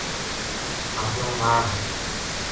اپنو مال